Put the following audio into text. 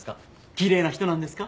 きれいな人なんですか？